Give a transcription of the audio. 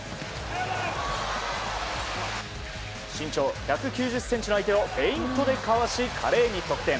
身長１９０ｃｍの相手をフェイントでかわし華麗に得点。